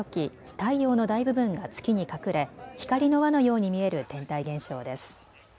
太陽の大部分が月に隠れ光の輪のように見える天体現象です。